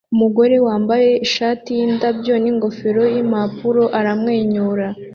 umugore wambaye ishati yindabyo ningofero yimpapuro aramwenyura